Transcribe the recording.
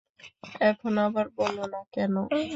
এখন আবার বলো না কেনো?